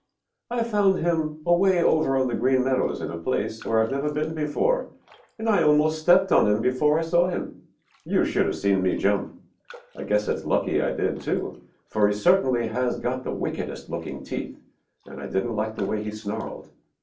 "I found him away over on the Green Meadows in a place where I have never been before, and I almost stepped on him before I saw him. You should have seen me jump. I guess it is lucky I did, too, for he certainly has got the wickedest looking teeth, and I didn't like the way he snarled.